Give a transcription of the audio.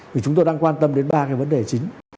vì chúng tôi đang quan tâm đến ba cái vấn đề chính